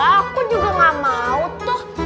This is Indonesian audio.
aku juga gak mau tuh